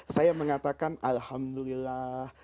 saya mengatakan alhamdulillah